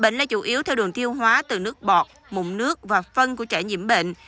nó chủ yếu theo đường thiêu hóa từ nước bọt mụn nước và phân của trẻ nhiễm bệnh